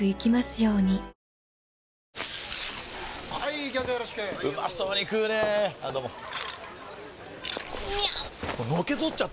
よろしくうまそうに食うねぇあどうもみゃう！！